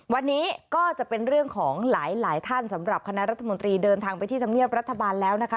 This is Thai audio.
วันนี้ก็จะเป็นเรื่องของหลายท่านสำหรับคณะรัฐมนตรีเดินทางไปที่ธรรมเนียบรัฐบาลแล้วนะคะ